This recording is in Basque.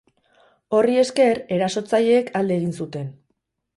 Horri esker, erasotzaileek alde egin zuten.